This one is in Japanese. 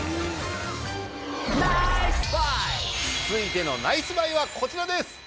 続いてのナイスバイはこちらです。